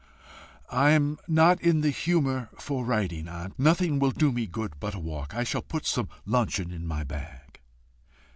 "I'm not in the humour for riding, aunt. Nothing will do me good but a walk. I shall put some luncheon in my bag."